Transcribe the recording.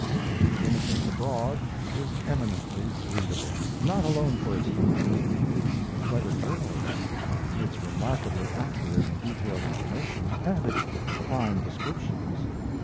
'The Innocents Abroad' is eminently readable, not alone for its humour, its clever journalism, its remarkably accurate and detailed information, and its fine descriptions.